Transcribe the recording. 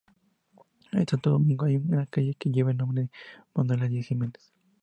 En Santo Domingo hay una calle que lleva el nombre de Manuela Diez Jimenez.